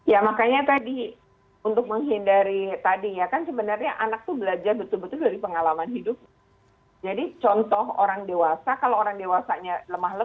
ya makanya tadi untuk menghindari tadi ya kan sebenarnya anak itu belajar betul betul dari pengalaman hidup